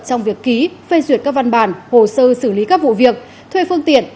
trong việc ký phê duyệt các văn bản hồ sơ xử lý các vụ việc thuê phương tiện